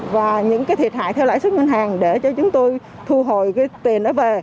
và những cái thiệt hại theo lãi suất ngân hàng để cho chúng tôi thu hồi cái tiền đó về